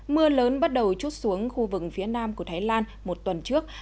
mưa lớn bắt đầu chút xuống khu vực phía nam của thái lan một tuần trước